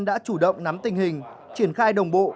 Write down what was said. đã chủ động nắm tình hình triển khai đồng bộ